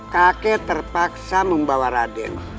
kake terpaksa membawa raden